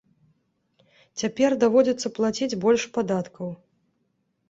Цяпер даводзіцца плаціць больш падаткаў.